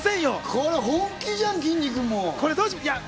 これ本気じゃん、きんに君も。